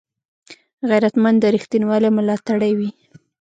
غیرتمند د رښتینولۍ ملاتړی وي